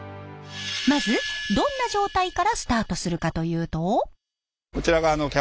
まずどんな状態からスタートするかというと。